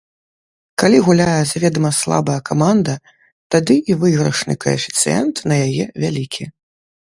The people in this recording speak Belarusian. Калі гуляе заведама слабая каманда, тады і выйгрышны каэфіцыент на яе вялікі.